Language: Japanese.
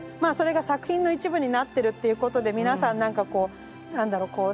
それが作品の一部になってるっていうことで皆さん何かこう何だろう